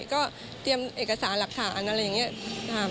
ก็เตรียมเอกสารหลักฐานอะไรอย่างนี้